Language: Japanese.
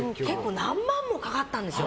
何万もかかったんですよ。